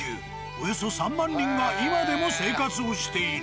およそ３万人が今でも生活をしている。